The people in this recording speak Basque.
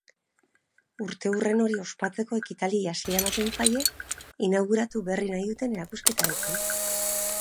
Urteurren hori ospatzeko ekitaldiei hasiera ematen zaie inauguratu berri nduten erakusketarekin.